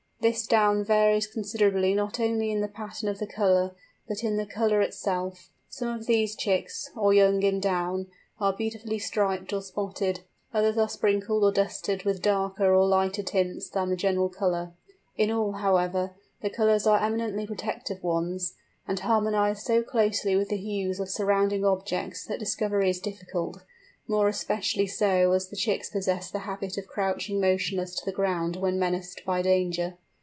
This down varies considerably not only in the pattern of the colour, but in the colour itself. Some of these chicks, or young in down, are beautifully striped or spotted; others are sprinkled or dusted with darker or lighter tints than the general colour. In all, however, the colours are eminently protective ones, and harmonise so closely with the hues of surrounding objects that discovery is difficult; more especially so as the chicks possess the habit of crouching motionless to the ground when menaced by danger.